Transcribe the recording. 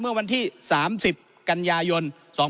เมื่อวันที่๓๐กันยายน๒๕๖